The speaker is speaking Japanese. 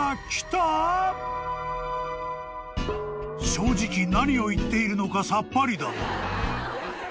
［正直何を言っているのかさっぱりだが］